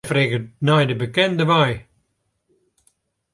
Hy freget nei de bekende wei.